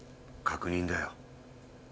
確認だよ。